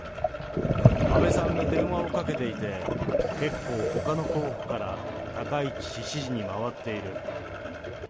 安倍さんが電話をかけていて、結構ほかの候補から高市氏支持に回っている。